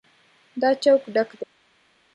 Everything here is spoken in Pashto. دا چوک ډک دی.